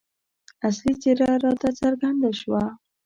اصلي څېره راته څرګنده شوه.